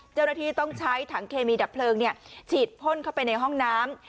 เจ้าหน้าที่ต้องใช้ถังเคมีดับเพลิงฉีดพ่นเข้าไปในห้องน้ำ